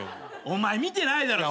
お前見てないだろ。